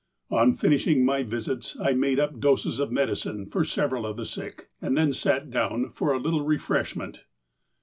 On finishing my visits I made up doses of medicine for several of the sick, and then sat down for a little refreshment.